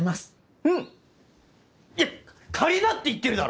うん！いや仮だって言ってるだろ？